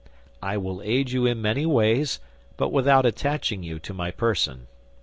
I will aid you in many ways, but without attaching you to my person.